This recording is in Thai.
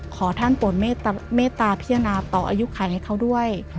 ขอท่านโปรดเมตตาพิจารณาต่ออายุไขให้เขาด้วย